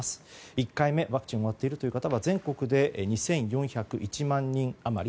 １回目ワクチンが終わっているという方は全国で２４０１万人余り。